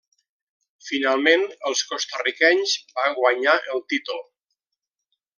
Finalment, els costa-riquenys va guanyar el títol.